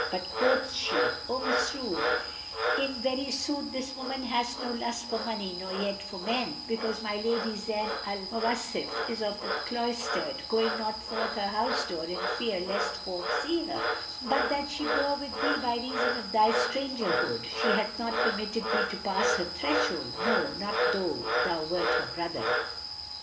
But quoth she, "O Masrur, in very sooth this woman hath no lust for money nor yet for men, because my lady Zayn al Mawasif is of the cloistered, going not forth her house door in fear lest folk see her; and but that she bore with thee by reason of thy strangerhood, she had not permitted thee to pass her threshold; no, not though thou wert her brother."